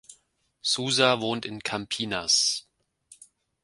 Souza wohnt in Campinas.